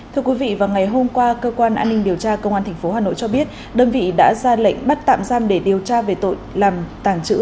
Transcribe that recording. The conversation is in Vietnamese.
thưa quý vị vào ngày hôm qua cơ quan an ninh điều tra công an tp hà nội cho biết đơn vị đã ra lệnh bắt tạm giam để điều tra về tội làm tàng trữ